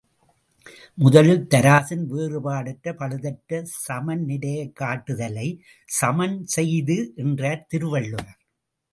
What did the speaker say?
முதலில் தராசின் வேறுபாடற்ற பழுதற்ற சமன் நிலையைக் காட்டு தலை, சமன்செய்து என்றார் திருவள்ளுவர்.